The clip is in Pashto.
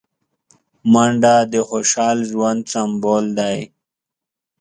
منډه د خوشحال ژوند سمبول دی